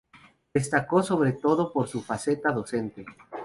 Destacó sobre todo por su faceta docente.